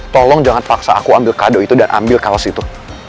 tolong jangan paksa aku ambil kado itu dan ambil kaos itu